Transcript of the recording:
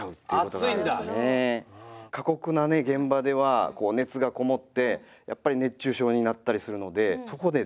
過酷な現場では熱がこもってやっぱり熱中症になったりするのでそこでですね